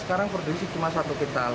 sekarang produksi cuma satu vital